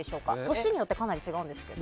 年によってかなり違うんですけど。